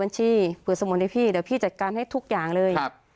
บัญชีปลือสมุนที่พี่เดี๋ยวพี่จัดการให้ทุกอย่างเลยนี้